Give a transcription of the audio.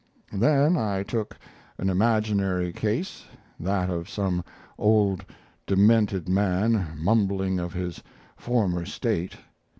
Then I took an imaginary case that of some old demented man mumbling of his former state.